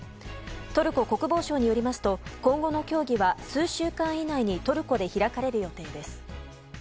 トルコ国防省によりますと今後の協議は数週間以内にトルコで開かれる予定です。